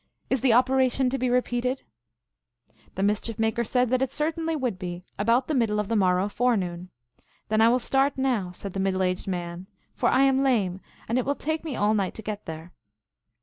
Is the operation to be repeated ?" The Mischief Maker said that it certainly would be, about the middle of the morrow forenoon. tk Then I will start now," said the middle aged man, " for I am lame, and it will take me all night to get there."